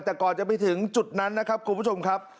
แต่ก่อนจะไปถึงจุดนั้นนะครับคุณผู้ชมครับ